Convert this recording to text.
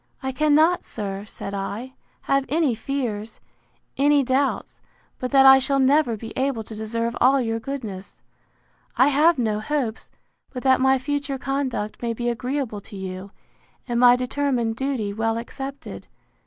I cannot, sir, said I, have any fears, any doubts, but that I shall never be able to deserve all your goodness. I have no hopes, but that my future conduct may be agreeable to you, and my determined duty well accepted.